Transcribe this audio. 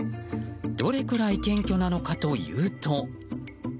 どれくらい謙虚なのかというと。